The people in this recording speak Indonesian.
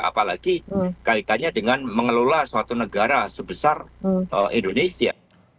apalagi kaitannya dengan mengelola suatu negara sebesar indonesia